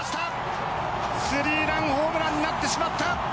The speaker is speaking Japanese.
スリーランホームランになってしまった！